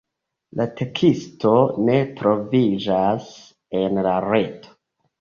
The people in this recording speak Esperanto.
La teksto ne troviĝas en la reto.